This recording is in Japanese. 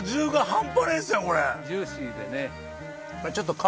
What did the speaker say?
ジューシーでね。